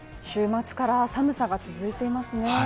週末から寒さが続いていますね。